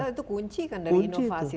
itu kunci kan dari inovasi